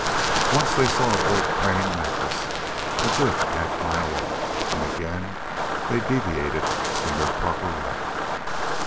Once they saw a great praying mantis a good half mile off, and again they deviated from their proper route.